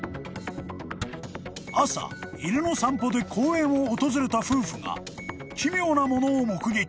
［朝犬の散歩で公園を訪れた夫婦が奇妙なものを目撃］